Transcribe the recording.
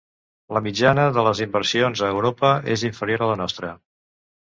La mitjana de les inversions a Europa és inferior a la nostra.